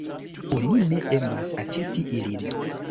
Oni ne emas aĉeti ilin.